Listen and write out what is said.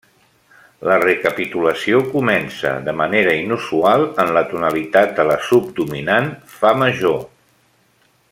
La recapitulació comença, de manera inusual, en la tonalitat de la subdominant, fa major.